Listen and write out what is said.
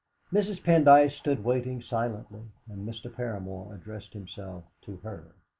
Mrs. Pendyce stood waiting silently, and Mr. Paramor addressed himself to her.